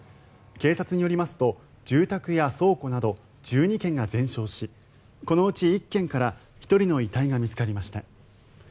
警察によりますと住宅や倉庫など１２軒が全焼しこのうち１軒から１人の遺体が見つかりました。